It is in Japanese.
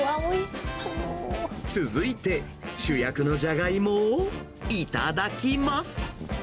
続いて、主役のじゃがいもを頂きます。